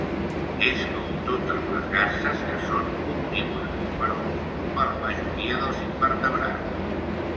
És com totes les garses que són omnívores, però ocupa la majoria dels invertebrats.